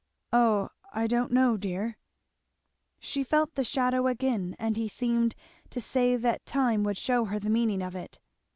"Oh I don't know, dear!" She felt the shadow again, and he seemed to say that time would shew her the meaning of it.